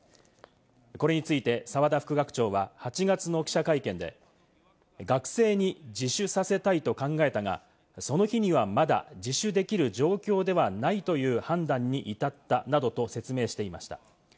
これについて、澤田副学長は８月の記者会見で学生に自首させたいと考えたが、その日にはまだ自首できる状況ではないという判断に至ったなどと説明していました。